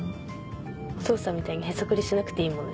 お父さんみたいにへそくりしなくていいもんね。